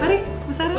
mari bu sarah